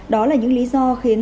đó là những lý do khiến